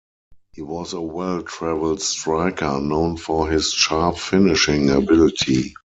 He was a well-travelled striker known for his sharp finishing ability.